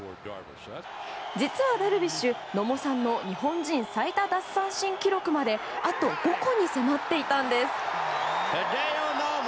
実はダルビッシュ野茂さんの日本人最多奪三振記録まであと５個に迫っていたんです。